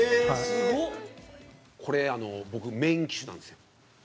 これ、僕メイン機種なんですよ。